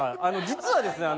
実はですね